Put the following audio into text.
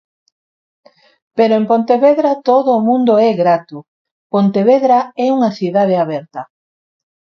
Pero en Pontevedra todo o mundo é grato, Pontevedra é unha cidade aberta.